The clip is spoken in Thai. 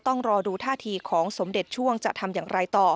ต้องรอดูท่าทีของสมเด็จช่วงจะทำอย่างไรต่อ